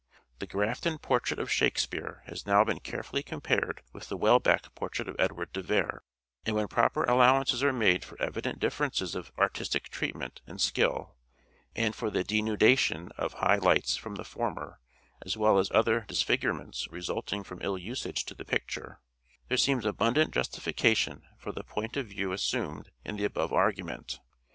— The Grafton portrait of Shakespeare has now been care fully compared with the Welbeck portrait of Edward de Vere, and when proper allowances are made for evident differences of artistic treatment and skill, and for the denudation of high lights from the former, as well as other disfigurements resulting from ill usage to the picture, there seems abundant justification for the point of view assumed in the above argument.